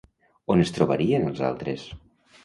On es trobarien els altres?